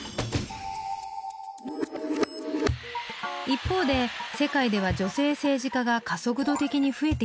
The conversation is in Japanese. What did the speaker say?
一方で世界では女性政治家が加速度的に増えています。